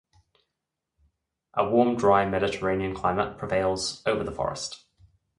A warm dry Mediterranean climate prevails over the Forest.